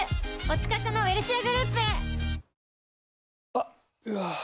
あっ、うわー。